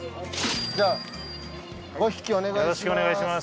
じゃあ５匹お願いします。